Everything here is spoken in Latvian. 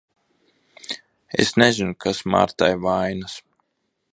Es nezinu, kas Martai vainas.